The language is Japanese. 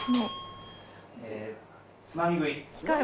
つまみ食い。